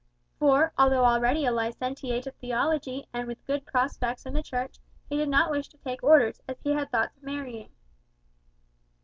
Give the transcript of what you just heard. For, although already a licentiate of theology, and with good prospects in the Church, he did not wish to take orders, as he had thoughts of marrying.